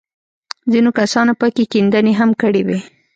ځينو کسانو پکښې کيندنې هم کړې وې.